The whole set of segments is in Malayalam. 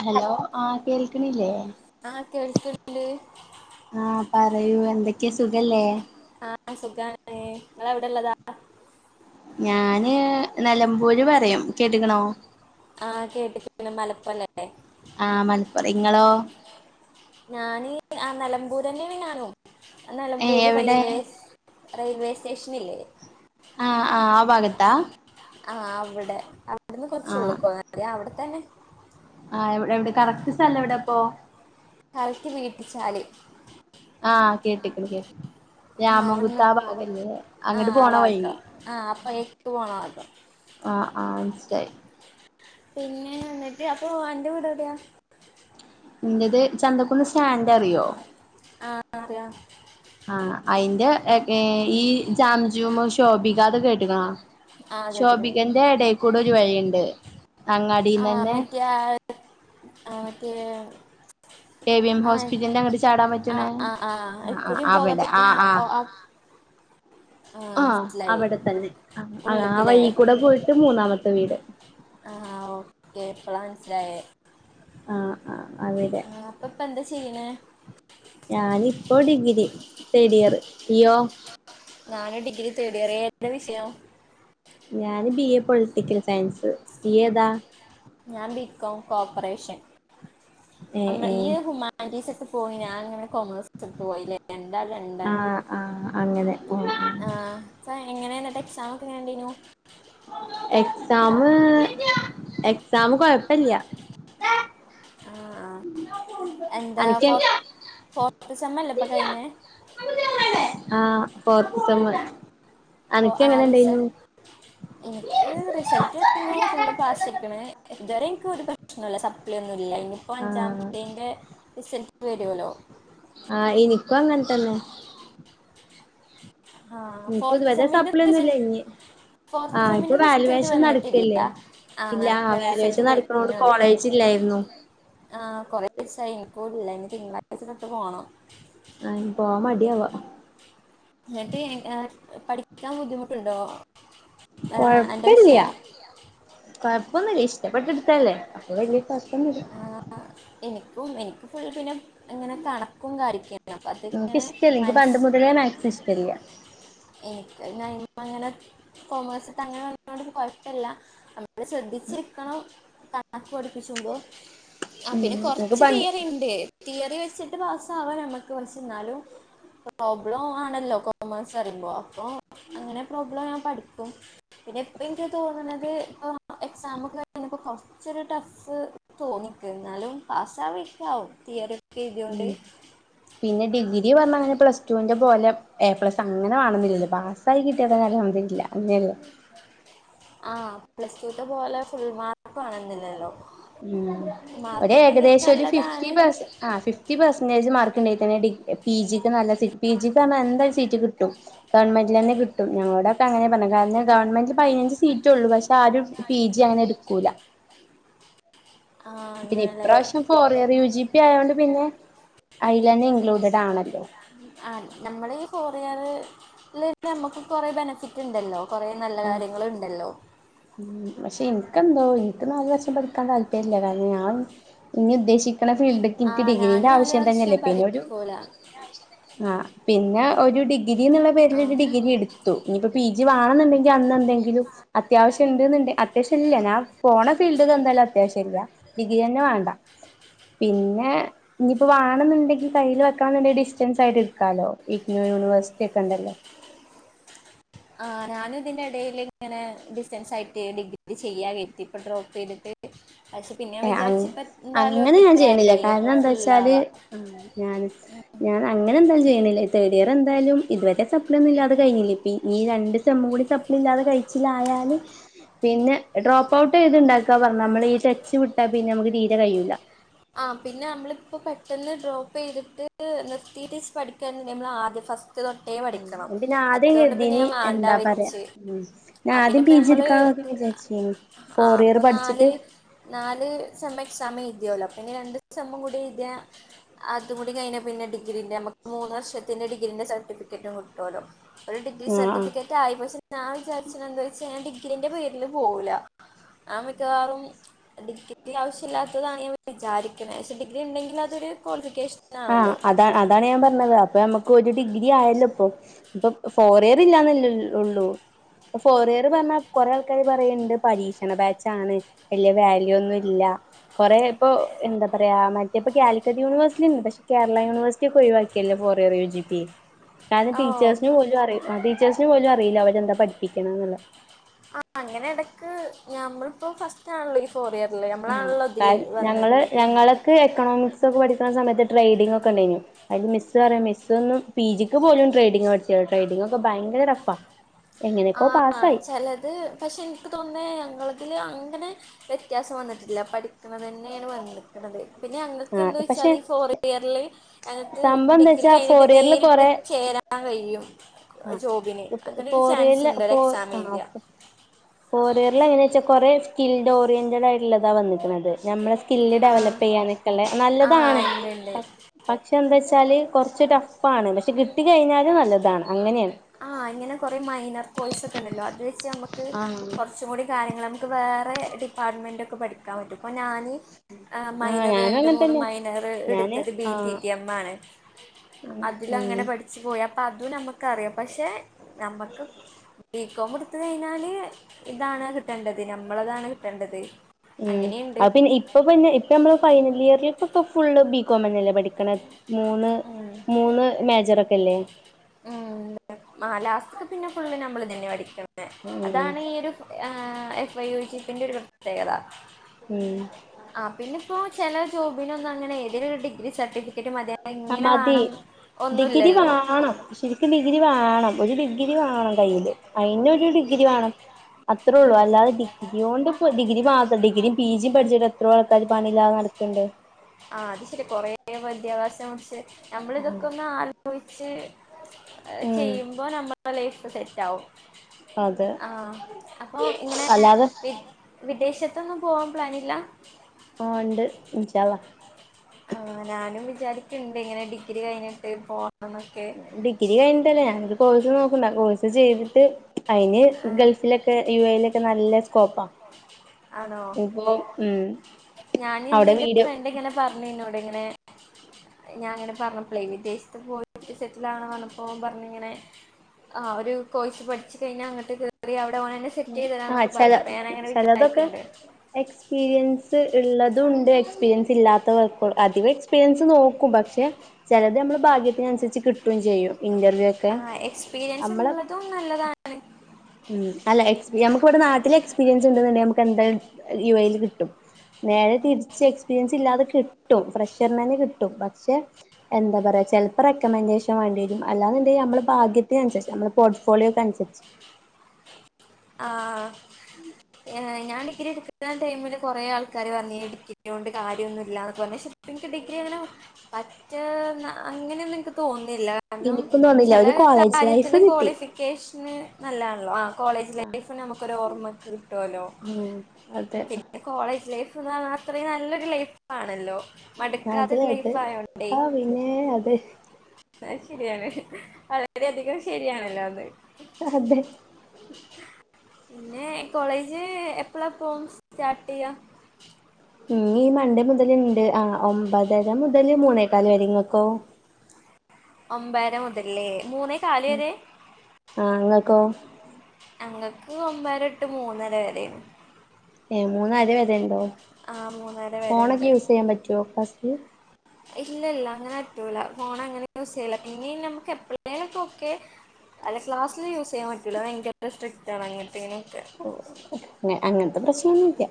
ഹലോ ആഹ് കേൾക്ക്ണില്ലേ ആഹ് കേൾക്ക്ണ് ണ്ട് ആഹ് പറയൂ എന്തെക്കെ സുഖല്ലേ ആഹ് സുഖാണ് ഇങ്ങളഎവിടെള്ളതാ ഞാന് നെലമ്പൂര് പറയും കേട്ടിക്ക്ണോ ആഹ് കേട്ട്ക്ക്ണ് മലപ്പാെറല്ലേ ആഹ് മലപ്പുറം ഇങ്ങളോ ഞാന് ആഹ് നെലമ്പൂരന്നെണ് ഞാനും ഏഹ് നെലമ്പൂര് എവിടെ റെയിൽവേസ് റെയിൽവേ സ്റ്റേഷ്നില്ലെ ആഹ് ആഹ് ആ ഭാഗത്താ ആഹ് അവ്ടെ അവിട്ന്ന് ആഹ് കൊറച്ചുള്ള്ക്കാേന്നാതി അവ്ടത്തന്നെ ആഹ് എവ് എവിടെ കറക്റ്റ് സ്ഥലം എവിടെപ്പോ കറക്ക്റ്റ് വീട്ടിച്ചാല് ആഹ് കേട്ടിക്കിണ് കേട്ട് ആ അവിടെ രാമൻകുത്ത് ആ നിൽക്കും ഭാഗല്ലേ ആ അങ്ങട്ട് ആ പോണ വഴി ഭാഗം [inaudible] ആ അപ്പോഴേക്ക് പോണ ഭാഗം ആഹ് ആഹ് മനസ്സിലായി പിന്നെ എന്നിട്ട് അപ്പോ അന്റെ വീടെവിടെയാ ഇന്റെത് ചന്തക്കുന്ന് സ്റ്റാൻഡറിയോ ആഹ് അറിയാ ആഹ് അയിന്റെ എകേ ഈ ജാം ജൂമ് ശോഭിക അത് കേട്ട്ണോ ആ കേട്ടിട്ടുണ്ട് ശോഭികന്റെ എടേയ്ക്കൂടെ ഒരു വഴിയിണ്ട് അങ്ങാടിന്നന്നെ അതെ എ വി എം ആഹ് ഹോസ്പിറ്റലിന്റെ അങ്ങട്ട് ചാടാൻ പറ്റണ അഹ് അഹ് ആഹ് ആഹ് അയ്ക്കുടിം പോകാ അവിടെ പിന്നെ ആഹ് ആഹ് ഒ അ ആഹ് അവിടെ തന്നെ ആ ആ ഉള്ളിലേക്കല്ലേ വഴി കൂടെ പോയിട്ട് മൂന്നാമത്തെ വീട് ആ ഓക്കെ ഇപ്പോള മനസ്സിലായെ ആഹ് ആഹ് അവിടെ അപ്പൊപ്പ എന്താ ചെയ്യണേ ഞാനിപ്പോ ഡിഗ്രി തെഡിയർ നീയോ ഞാന് ഡിഗ്രി തെഡിയറ് ഏതാ വിഷയം ഞാൻ ബി എ പൊളിറ്റിക്കൽ സയൻസ് ഈയ്യെതാ ഞാൻ ബികോം കോപ്പറേഷൻ ഏഹ് ആം ഏഹ് ഇയു ഹ്യൂമ [unintelligible] ആഹ് ആഹ് അങ്ങനെ ഉം ഉം ആഹ് എങ്ങനെന്നിട്ട് എക്സാം ഓക്കേ എങ്ങനെ ഉണ്ടയിനു എക്സാം എക്സാം കൊഴപ്പില്ല ഉം ആഹ്. എന്താ അനക്ക് ഫോർ ഫോർത് സമ്മല്ല ഇപ്പൊ കഴിഞ്ഞേ. ആഹ് ഫോർത്ത് സമ്മ് അനക്ക് എങ്ങനെ ഇന്ടെയ്നു. ഇൻക്ക് റിസൾട്ട് [inaudible] ഫുൾ പാസ്ക്കണ് ഇതുവരെ ഇനിക്ക് ഒരു. പ്രശനല്ല സപ്ലി ഒന്നുംല്ല ഇനിപ്പോ ആ അഞ്ചാന്ദിന്റെ റിസൾട്ട് വരുല്ലോ. ആഹ് ഇന്ക്കും അങ്ങനെതന്നെ. ആ ഇന്ക്ക് ഇത് ഫോർത്ത് വരെ സെമ്മിന്റെ സപ്പ്ളൊന്നുംല്ല റിസൾട്ട് ഇഞ്. ഫോർത്ത് ആഹ് ഇപ്പൊ സെമ്മിന്റെ റിസൾട്ട് വേല്വേഷം വന്നിട്ടില്ല നടക്കല്ലേ ആ ഇല്ലാ നടക്കണ റിസൾട്ട് വേല്വേഷം നട് നോട്‌ കോളേജ് ഇല്ലായിരുന്നു. ആഹ് കൊറേ ദിസായി ഇൻകൂല്ല ഇനി തിങ്കളാഴ്ച തൊട്ട് പോണം. ആഹ് പോം മടിയവാ. ന്നിട്ട് [unintelligible] പഠിക്കാൻ ബുദ്ധിമുട്ടുണ്ടോ. ആ, എൻ്റെ കൊയപ്പല്യാ. വിഷയം കൊഴപ്പൊന്നുല്ല ഇഷ്ടപ്പെട്ടെട്ത്തല്ലേ അപ്പൊ പിന്നെ കൊയപ്പോന്നുള്ള. ആഹ് ആഹ് എനിക്കും എനിക്ക് ഫുൾ പിന്നെ ഇങ്ങനെ കണക്കും കാര്യക്കാ. ഇന്ക് ഇഷ്റ്റല്ല ഇന്ക് പണ്ട് മുതലേ മാക്സ് ഇഷ്റ്റല്ല. ഇനിക്ക് [unintelligible] ങ്ങനെ. കോമേഴ്സിത് അങ്ങനെ ഒന്ന കൊഴപ്പില്ല നമ്മള് ശ്രദ്ധിച്ചിരിക്കണം. [unintelligible] ആഹ് പിന്നെ ഉം എനിക്ക് കൊറച്ച് പണ്ട് തിയറി ഇണ്ട് തിയേറി വെച്ചിട്ട് പാസ ആവാ നമ്മക്ക് കുറച്ച്ന്നാലും പ്രോബ്ലം ആണല്ലോ കൊ മാസ്സ അറിമ്പോ അപ്പൊ. അങ്ങനെ പ്രോബ്ലം ഞാൻ പഠിക്കും പിന്നെ ഇപ്പനിക്ക് തോന്നുന്നത് ഇപ്പം. എക്സാമൊക്ക കഴിഞ്ഞപ്പോ കുറചൊരു ടഫ്. തോന്നിൻക് ന്നാലും പാസ്സാവെയ്കാവും തിയറി. ഒക്കെ ഉം എഴുതിയോണ്ട് പിന്നെ ഡിഗ്രി പറഞ്ഞ അങ്ങനെ പ്ലസ്ടുന്റെ പോലെ. എ പ്ലസ് അങ്ങനെ വേണന്നില്ലല്ല പാസ്സായി കിട്ടിയാതന്നെ അൽഹമ്ദുരുല്ല അങ്ങെയല്ലേ. ആഹ് പ്ലസ് ടു തെ പോലെ ഫുൾ മാർക്ക് വാണനില്ലല്ലോ. ഉം ഒര് ഏകദേശം ഒരു ഫിഫ്റ്റി നല്ലതാണ് പേസ് ആ ഫിഫ് റ്റീ പെർസെന്റെജ് മാർക്ക് ഇണ്ടേയ് തന്നെ ഡി പി ജിക്ക് നല്ല സീറ്റ് പി ജിക്ക് റഞ്ഞാ എന്തായ സീറ്റ് കിട്ടും. ഗവൺമെന്റിലെന്നെ കിട്ടും ഞങ്ങളടൊെ അങ്ങനെ പറഞ്ഞേ കാരണം ഗവൺമെന്റിൽ പയിനഞ്ച് സീറ്റ ഉള്ളൂ പക്ഷെ ആരും. പി ജി അങ്ങനെ എടുക്കൂല. ആ, പിന്നെ അങ്ങനെയല്ലേ ഇപ്രാശ്യം ഫോറിയർ യു ജിപി ആയോണ്ട് പിന്നെ എയിലെന്നെ ഇൻക്ലൂഡഡ് ആണല്ലോ. ആഹ് നമ്മൾ ഈ ഫോറിയർ [unintelligible] നമ്മക്ക് കുറെേ ബെനഫിറ്റ് ഇണ്ടല്ലോ.. കൊറെേ നല്ല കാര്യങ്ങള്ണ്ടല്ലോ. ഉം പക്ഷെ ഇന്ക്കെന്തോ ഇനിക്ക് നാല് വർഷം പഠിക്കാൻ താല്പര്യല്ല കാരണം ഞാൻ. ഇനി ഉദ്ദേശിക്ക്ണ ഫീൽഡ്ക്ക് ആ ഇനിക്ക് ഡിഗ്രീന്റെ ഞാനും നാല് ആവശ്യം വർഷം തന്നെയില്ലേ പി ന്നൊരു. പഠിക്കൂല ആഹ് പിന്നെ ഒരു ഡിഗ്രി ന്ന്ള്ള ആ പേരിലൊരു ഡിഗ്രി എട തു ഇനിപ്പോ പി ജി വണെന്നുണ്ടെങ്കിൽ അന്ന് എന്തെങ്കിലും അത് അത്യാവശ്യം ഇണ്ട്ന്ന്ണ്ട് അത്യാവശ്യ ഇല്ല ഞാ പോണ ഫീൽഡ് എന്തായാലും അത്യാവശ്യല്ല. ഡിഗ്രി യെന്നെ വാണ്ട പിന്നെ. ഇനിയിപ്പ വണെന്നുണ്ടെങ്കി കയിൽ വെക്കാനുണ്ടെയെ ഡിസ്റ്റൻസ് ആയിട്ട്ടുക്കാലോ ഈക്നോ യൂണിവേഴ്സിറ്റി ഒക്കെ ഉണ്ടല്ലോ. ആഹ് ഞാനും ഇതിന്റെ എടേല് ഇങ്ങനെ ഏഹ് ഡിസ്റ്റൻസ് ആയിട്ട് ഡിഗ്രി ചെയ്യാ കെര്തി ഇപ്പ ഡ്രോപ്പ് യ്തിട്ട്. പഷേ പിന്നെ അങ് വിചാരിച്ചു ന്താലും അങ്ങനെ ഞാൻ ചെയ്യണില്ല [unintelligible] അപ്പൊ കാരണം എന്താ വെച്ചാല് ഫുള്ളാവാ. ഞാൻ. ഞാൻ അങ്ങനെ എന്തായാലു ചെയ്യുനില്ല തേർഡ് ഇയർ എന്തായാലും ഇത് വരെ സപ്പ്ളി ഒന്നു ഇല്ലാത കഴിഞ്ഞിലേ പി ഇനി ഈ രണ്ട് സമ്മം കൂടി സപ്പ് [unintelligible] കഴിച്ചിലായാല് പിന്നെ ഡ്രോപ്പ്ഔട്ട് യ്ത്ണ്ടാക്ക പറന്നാ നമ്മ ഇ ടെച് വിട്ടാ പിന്നെ നമക്ക് തീരെ കഴൂല്ല. ആഹ് പിന്നെ നമ്മളിപ്പോ പെട്ടെന്ന് ഡ്രോപ്പ് ചെയ്തിട്ട് നിർത്തീ [unintelligible] നമ്മൾ ആദ്യ ഫസ്റ്റ് തൊട്ട. [unintelligible] ടിക്കണം പിന്നെ ആദ്യം അതോണ്ട് പിന്നെ കരുതീന് ഞാൻ വാണ്ട എന്താ പറയാ വെച്ച് ഉം ഞാൻ അഹ് പിന്നെ ആദ്യം ഇപ്പ പി ജി നമ്മള്. എടുക്കാന്നൊക്കെ വിചാരിച്ചീനി ആഹ് ഫോർ അപ്പ ഇയർ നാല് പഠിച്ചിട്ട് നാല് സമം എക്സാം എഴതിയല്ലോ. എങ്ങനെ രണ്ട സംഭം കൂടി ഇത അതും കൂടി കഴിഞ്ഞ പിന്നെ ഡിഗ്രീന്റെ നമ്മുക്ക് മൂന്ന് വർഷത്തിന്റെ ഡിഗ്രീന്റെ സർട്ടിഫിക്കറ്റും കിട്ടുവല്ലോ ഒരു ഡിഗ്രി ആഹ് ആഹ് സർട്ടിഫിക്കറ്റ് ആയി പക്ഷെ ഞാൻ വിചാരിച്ച എന്താ വെച്ചാ ഞാൻ ഡിഗ്രീന്റെ പേരിൽ പോകൂല ഞാൻ മിക്കവാറും ഡിഗ്രി ആവശ്യമില്ലാത്തതാണ് വിചാരിക്കണേ പക്ഷെ ഡിഗ്രി ഉണ്ടെങ്കിൽ അതൊരു ആഹ് ക്വാളിഫിക്കേഷനാണല്ലോ അതാ അതാണ് ഞാൻ പറഞ്ഞത് അപ്പൊ നമുക്ക് ഒരു ഡിഗ്രി ആയല്ലോ ഇപ്പൊ ഇപ്പൊ ഫോർ ഇയർ ഇല്ലാന്നല്ലേ ഉള്ളൂ ഫോർ ഇയർ പറഞ്ഞാ കൊറെ ആൾക്കാര് പറയണ്ട് പരീക്ഷണ ബാച്ച് ആണ് വല്ല്യ വാല്യൂ ഒന്നും ഇല്ല കൊറെ ഇപ്പൊ എന്താ പറയാ മറ്റ- ഇപ്പ കാലിക്ക യുണേഴ്സിറ്റി ഉണ്ട് പക്ഷ കേരള യൂണിവേഴ്റ്റി ഒഴിവാക്കിയല്ല ഫോർ യ ജി പി കാരണം ഓ ടീച്ചേഴ്സസിന് പോലും അറി ടീച്ചേഴ്സിന് പോലും അറിയില്ല അവരെന്താ പഠിപ്പിക്കണം എന്നുള്ളത് ആഹ് അങ്ങനെ ഇടക്ക് നഞമ്മളിപ്പോ ഫസ്റ്റ് ആണല്ലോ ഈ ഫോർയർ നമ്മളാണല്ലോ ഇതില് ഞങ്ങള് വന്നത് ഞങ്ങൾക്ക് എക്കണോമിക്സ് ഒക്കെ പഠിക്കണ സമയത്ത് ട്രേഡിംഗ് ക്ക ഉണ്ടയിനു അതില് മിസ് പറയാം മിസ് ഒന്നും പി ജിക്ക് പോലും ട്രേഡിംഗ് പഠിച്ചതാ ട്രേഡിംഗ ഒക്ക ഭയങ്കര ടഫാ എങ്ങനെയൊക്കോ ആഹ് പാസ്സായി ചിലത് പക്ഷെ ക്ക് തന്നെ ഞങ്ങളതിൽ അങ്ങനെ വ്യത്യാസം വന്നിട്ടില്ല പഠിക്കണ തന്നെയാണ് വന്നത് പിന്നെ ഞങ്ങക്ക് ആ എന്താ പക്ഷെ വെച്ചാൽ ഈ ഫോർ വെയറില് അതിനത്ത് സംഭവം എന്താ ഡിഗ്രി വെച്ചാ കഴിഞ്ഞിട്ട് ഫോർ ഇയറിൽ നേരിട്ട് കൊറെ ചേരാൻ കഴിയും ആ ജോബിന് അങ്ങനെ ഒരു ഫോർ ചാൻസ് ഇയറില് ഉണ്ട് ഒരു എക്സാം എഴുതിയ ഫോർഇയറിൽ എങ്ങനെ വെച്ചാ കൊറെ സ്കിൽഡ് ഓറിയന്റഡ് ആയിട്ടുള്ളതാ വന്നേക്കണത് നമ്മള- സ്കില് ആഹ് ഡെവലപ്പ് ചെയ്യാനക്കുള്ളേ ആഹ് നല്ലതാണ് ഇണ്ട് ഇണ്ട് പക്ഷെ എന്താ വെച്ചാല് കൊറച്ച് ടഫ് ആണ് പക്ഷെ കിട്ടി കഴിഞ്ഞാലും നല്ലതാണ് അങ്ങനെയാണ് ആഹ് അങ്ങനെ കുറെ മൈനർ കോഴസ് ഒക്കെ ഉണ്ടല്ലോ അത് വെച്ച് നമ്മുക്ക് ആഹ് കുറച്ചും കൂടി കാര്യങ്ങൾ നമുക്ക് വേറെ ഡിപ്പാർട്ട്മെൻ്റ ഒക്കെ പഠിക്കാൻ പറ്റും ഇപ്പോൾ ഞാന് ആഹ് മൈനർ ഞാനും രണ്ട അങ്ങനെ മൂന്ന് തന്നെ മൈനർ ഞാന് എടുത്തത് ബി ടി എം ആണ് ആഹ് അഹ് ച്ച് പോയ അപ്പ അതും നമുക്കറിയാം പക്ഷെ നമുക്ക് ബികോം എടുത്തു കഴിഞ്ഞാല് ഇതാണ് കിട്ടേണ്ടത് നമ്മളതാണ് കിട്ടേണ്ടത് ഉമ് അങ്ങനെയുണ്ട് അ പിന്നെ ഇപ്പൊ പിന്നെ ഇപ്പ നമ്മ ഫൈനൽ ഇയറിലൊക്ക ഫുള്ള് ബി കോംന്നല്ലേ പഠിക്കണത് മൂന്ന് മൂന്ന് മേജറ് ഒക്കെ ല്ലേ ഉമ് ലാസ്റ്റക്ക് പിന്നെ ഫുള്ള് നമ്മൾ തന്നെ പഠിക്കുന്നത് ഉം അതാണ് ഈ ഒരു- ആഹ് എഫ് ഐ യു ജി [unintelligible] പ്രത്യേകതാ ഉമ് ആഹ് പിന്ന ഇപ്പോ ചില ജോബിനൊന്നന്ന് അങ്ങനെ ഏതെലൊരു ഡിഗ്രി സർട്ടിഫിക്കറ്റ് കിട്ടീട്ട് മതിം ആഹ് എങ്ങനെ മതി വേണം ഡിഗ്രി ഒന്നുല്ലല്ലോ വാണം ശരിക്കും ഡിഗ്രി വേണം ഒരു ഡിഗ്രി വേണം കയ്യില് അയിന് ഒരു ഡിഗ്രി വേണം അത്രേ ഉള്ളൂ ഉം. അല്ലാതെ ഡിഗ്ര- യോണ്ട് ഡിഗ്രി മാത്രം ഡിഗ്രിയും പി ജിയും പഠിച്ചിട്ട്ത്രോ ആൾക്കാര് പണില്ലാതെ നടക്കുണ്ട് ആഹ് അത് ശരി കൊറെേ വദ്യയാകാസം കുറിച്ച് നമ്മൾ ഇതൊക്കെ ഒന്ന് ആലോചിച്ച് ഉം ചെയ്യുമ്പോ നമ്മൾ ലൈഫ് സെറ്റ് ആകും അതെ ആഹ് അപ്പ ഇങ്ങനെ അല്ലാതെ വിദേശത്തൊന്നും പോവാൻ പ്ലാനില്ല ആഹ് ഉണ്ട് ഇൻഷാ അള്ളാ! ആഹ് ഞാനും വിചാരിക്ണ്ടേ ഇങ്ങനെ ഡിഗ്രി കഴിഞ്ഞിട്ട് പോണന്ന് ഡിഗ്രി കഴിഞ്ഞട്ടല്ല ഞാനൊരു കോഴ്സ് നോക്ണ്ട് ആഹ് കോഴ്സ് ചെയ്തിട്ട് അയ്ന് ആ, ഗൾഫിലൊക്കെ യു എയിലൊക്കെ നല്ല സ്കോപ്പാ ഇപ്പൊ ഉം. ഞാനിന്ന് അവിടെ എന്റെ വീഡിയോ ഫ്രണ്ട് ഇങ്ങനെ പറഞ്ഞന്നോട് ഇങ്ങനെ ഞാഇങ്ങനെ പറഞ്ഞപ്ളെ വിദേശത്ത് പോയിസെറ്റിലാവണം പറഞ്ഞപ്പോ ഓ പറഞ്ഞിങ്ങനെ ആഹ് ഒരുകോഴ്സ് പഠിച്ച്കഴിഞ്ഞ അങ്ങട്ട് കേറി അവടെവനന്നസ് ആഹ് ചെല സെറ്റ്യ്യ്തരാന്നൊക്കെപറഞ്ഞു അപ്പൊഞാനാങ്ങനെ ചെലതൊക്കെ വിചാരിക്ണ്ട്. എക്സ്പീരിയൻസ് ഇള്ളതുണ്ട് എക്സ് എക്സ്പീരിയൻസ്ഇല്ലാത്തവർക്ക് അധികംഎക്സ്പീരിയൻസ് നോക്കുംപക്ഷെ ചെലത് നമ്മളെ ഭഗ്യത്തിനുസരിച്ച് കിട്ടുംചെയ്യും ഇന്റർവ്യൂയൊ ആഹ് എക്സ്പീരിയൻസ്ള്ളതും നല്ലതാണ്. ഉം അല്ലഎക്സ് ഞമ്മക്ക് ഇവടെ നാട്ടില് എക്സ്പീരിയൻസ് ഇണ്ട്ന്ന്ണ്ടെങ്കി ഞമ്മക്ക് എന്താലും യു എയിൽ കിട്ടും. നേരെതിരിച്ച് എക്സ്പീരിയൻസില്ലാതെ കിട്ടും ഫ്രഷ്റിണെന്നേകിട്ടും പക്ഷെ എന്താപറയാ ചെലപ്പോ റെക്കമെൻേഷൻ വേണ്ടിവെരും അല്ലാന്ന്ണ്ടെങ്കി നമ്മടെ ഭാഗ്യത്തിനുസരിച്ച് നമ്മളേ പോർട്ട് ഫോളിയോക്കെഅനുസരിച്ച് ആഹ് ഏഹ് ഞാൻ ടിഗ്രിഇട്ക്കുന്നടൈമില് കൊറെആൾക്കാര് പറഞ്ഞീനിം ഡിഗ്രിയോണ്ട് കാര്യൊന്നുല്ല്യാന്നൊക്കെ പറഞ് ശേ പ്പഇൻക്ക് ഡിഗ്രി അങ്ങനെപറ്റേന്ന അങ്ങനെയൊന്നും ഇൻക്ക്തോന്ന്ല്ല എനിക്കും തോന്നില്ല ഒരു കാരണംചെലേ കോളേജ് ലൈഫ് കാര്യത്തില് കിട്ടി ക്വാളിഫിക്കേഷന് നല്ലേണല്ലോ ആഹ് കോളേജ് ലൈഫ്ന് അമ്മക്കൊരു ഓർമ്മകിട്ടോലോ ഉം അതെ പിന്നെ കോളേജ് ലൈഫ്ന്ന് പറഞ്ഞാൽ അത്രീം നല്ലോരു ലൈഫാണല്ലോ. അതെ മട്ക്കാത്തൊരു അതെ ലൈഫായോണ്ടേയ് ആ പിന്നെ അതെ ആഹ് ശെരിയാണ് വളരെെയധികം ശരിയാണല്ലോഅത്. അഹതെ പിന്നെകോളേജ് എപ്പ്ളാപ്പോ സ്റ്റാർട്ട് ചെയ്യാം? ഇഞ്ഞി ഈമൺണ്ടേ മുതല്ണ്ട് ആഹ് ഒമ്പതര മുതല് മൂന്നേക്കാൽ വെരെ ഇങ്ങൾക്കോ ഒമ്പരെമുതല്ലേ മൂന്നേകാല് വെരെ? ആഹ് ഇങ്ങക്കോ? ഞങ്ങക്ക് ഒമ്പെരൊട്ട് മൂന്നെരവെരെണ്. എഹ് മൂന്നര വെരെണ്ടോ ആ മൂന്നര വരെണ്ട് ഫോണൊക്കെ യൂസ്യ്യാൻപറ്റോക്ലാസ്സില് ഇല്ലല്ലാഅങ്ങനെ അറ്റൂല ഫോൺ അങ്ങനെയൂസെയ്യൂല പിന്നിംഞമ്മക്ക് എപ്പയേങ്കിലും ഒക്കെ അല്ല ക്ലാസ്സില് യൂസെയ്യാൻ പറ്റൂല ഭയങ്കര സ്ട്രിക്ട്ആണ് അങ്ങൻത്തീനൊക്കെ ഓ ഒക്കെ അങ്ങനത്തെ പ്രശ്നൊന്നുല്ല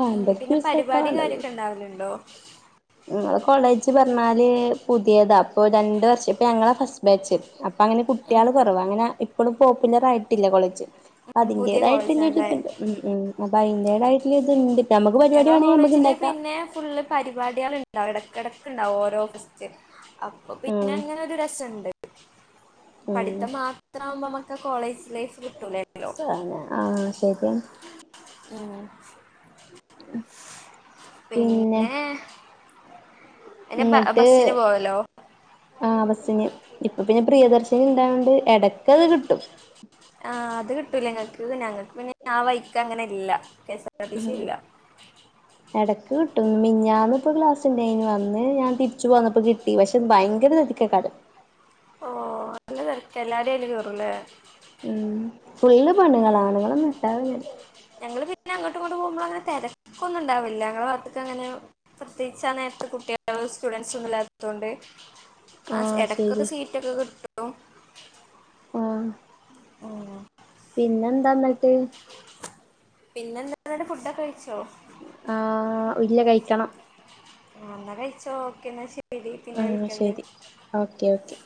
വാണ്ടോൽക്ക് യൂസാക്കാവേണ്ടത് ണ്ടാവല്ഇണ്ടോ? ങ്ങളെ കോളേജ്പറഞ്ഞാല് പുതിയതാ ഇപ്പോരണ്ട് വർഷം ഇപ്പഞങ്ങള ഫസ്സ്ബേച്ച്. അപ്പങ്ങനെ ഉം കുട്ടികള് കൊറവാ അങ്ങനെഇപ്പളും പോപ്പുലെർആയിട്ടില്ല കോളേജ് ഉം പുതിയ കോളേജാണല്ലേ അതിന്റേതായിട്ടുള്ളരിത്ണ്ട് ഉം, ഉം അപ്പയ്ന്റേതായിട്ടുള്ളഇത്ണ്ട്. ഞങ്ങളെകോളേജില് പിന്നെഫുള്ള് പരിപാടിയാൾണ്ടാവും എടക്കെടക്ക്ഇണ്ടാവും ഓരോഫെസ്റ്റ് അപ്പൊപിന്നെ ഉം അങ്ങനെഒര് രസെണ്ട്. ഉം പഠിത്തം മാത്രവുമ്പോഅമ്മക്ക് ആഹ് കോളേജ് ലൈഫ്കിട്ടൂലല്ലോ ആഹ് ഷെയ്ക്ക്ണ് ഉം പിന്നെ എന്റെ ഇന്ന്ട്ട് ബസ്സിന് പോവല്ലോ ആഹ് ബസിന് ഇപ്പൊപിന്നെ പ്രിയദർശിനി ഇണ്ടായതോണ്ട് എടക്കത്കിട്ടും. ആഹ് അത് കിട്ടുംലേ ഇങ്ങക്ക് ഞങ്ങൾക്ക് പിന്നെ ആ വൈക്കങ്ങനെ ഇല്ല. ആർ ടി സി ആഹ് ഇല്ല എടക്ക്കിട്ടും മിഞ്ഞാന്ന് ഇപ്പോ ക്ലാസ് ഇണ്ടായ്നു അന്ന് ഞാൻ തിരിച്ച് പോന്നപ്പോ കിട്ടി ട്ടി പശേ ഭയങ്കര തെരെക്കെക്കാരം ഓഹ് നല്ല തെരക്ക എല്ലാരും അയ്ല് കേറുംലേ ഉം ഫുള്ള് പെണ്ണുങ്ങളാ ആണുങ്ങളൊന്നും ഇണ്ടാവെന്നെല്ല. ഞങ്ങള്പിന്നെ അങ്ങട്ടുംഇങ്ങട്ടും പോകുമ്പോപിന്നെ അങ്ങനെ തെരെക്കൊന്നുഇണ്ടാവില്ല ഞങ്ങളെ വാത്ത്ക്കങ്ങനെ പ്രത്യേകിച്ചാനേര്ത്ത് കുട്ടിയാള് സ്റ്റുഡന്റ്സൊന്നുല്ലാതോണ്ട്. ആഹ് എടക്കൊക്കെ സീറ്റൊക്കെകിട്ടും. ആഹ് ആഹ് പിന്നെ എന്താ ഇന്നിട്ട് പിന്നെ എന്താടൊ, ഫുഡൊക്കെ കഴിച്ചോ ആഹ് ഇല്ല കഴിക്കണം ആഹ് എന്ന കഴിച്ചോ, ഓക്കെ എന്നാ ശരി. പിന്നെ ആഹ ശരി വിളിക്കണ്ട് ഓക്കെ ഓക്കെ.